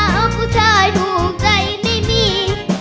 หาผู้ชายถูกใจไม่มี